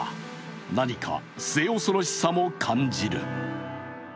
何か末恐ろしさも感じる。